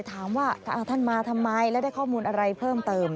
ถามว่าท่านมาทำไมแล้วได้ข้อมูลอะไรเพิ่มเติม